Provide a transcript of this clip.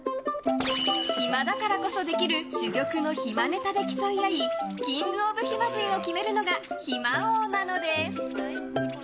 暇だからこそできる珠玉の暇ネタで競い合いキングオブ暇人を決めるのが暇王なのです。